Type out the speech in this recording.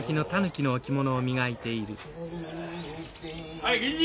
・おい銀次！